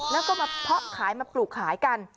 แล้วก็มาเพาะขายมาปลูกขายกัน